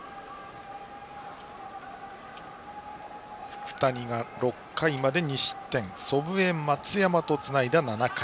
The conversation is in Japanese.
福谷が６回まで２失点祖父江、松山とつないだ７回。